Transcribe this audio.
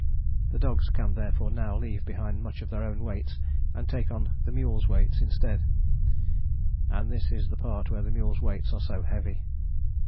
The dogs can therefore now leave behind much of their own weights and take on the mules' weights instead. And this is the part where the mules' weights are so heavy.